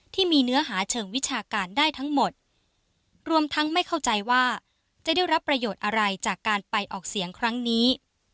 ที่มีเนื้อหาเชิงวิชาการได้ทั้งหมดรวมทั้งไม่เข้าใจว่าจะได้รับประโยชน์อะไรจากการไปออกเสียงครั้งนี้